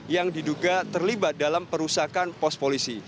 yang diduga terlibat dalam perusahaan pos polisi